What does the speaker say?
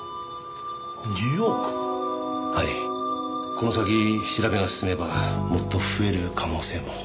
この先調べが進めばもっと増える可能性も。